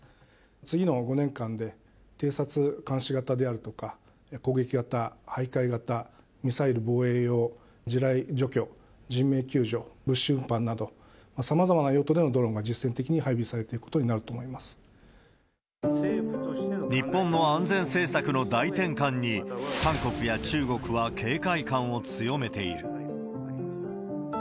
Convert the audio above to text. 次の５年間で偵察監視型であるとか、攻撃型、はいかい型、ミサイル防衛用、地雷除去、人命救助、物資運搬など、さまざまな用途でのドローンが実践的に配備されていくことになる日本の安全政策の大転換に、韓国や中国は警戒感を強めている。